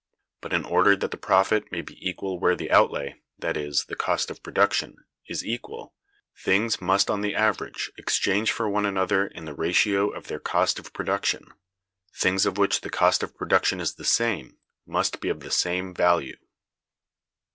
But in order that the profit may be equal where the outlay, that is, the cost of production, is equal, things must on the average exchange for one another in the ratio of their cost of production; things of which the cost of production is the same, must be of the same value.